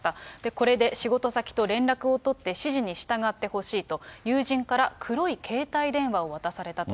これで仕事先と連絡を取って指示に従ってほしいと、友人から黒い携帯電話を渡されたと。